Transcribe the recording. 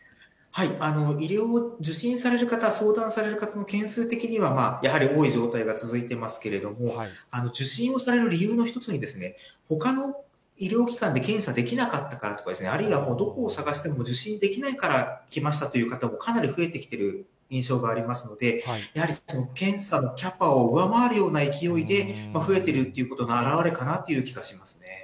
医療、受診される方、相談される方の件数的には、やはり多い状態が続いていますけれども、受診をされる理由の一つに、ほかの医療機関で検査できなかったからとか、あるいはどこを探しても受診できないから来ましたという方もかなりふえてきている印象がありますので、やはり検査のキャパを上回るような勢いで、増えているということの表れかなという気がしますね。